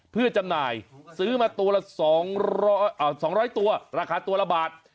เพื่อจำหน่ายซื้อมาตัวละ๒๐๐ตัวราคาตัวละบาท